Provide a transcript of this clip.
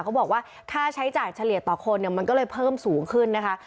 เขาบอกว่าค่าใช้จ่ายเฉลี่ยต่อคนเนี่ยมันก็เลยเพิ่มสูงขึ้นนะคะ